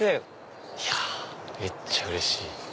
いやめっちゃうれしい！